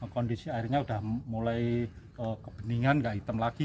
kondisi airnya udah mulai kebeningan nggak hitam lagi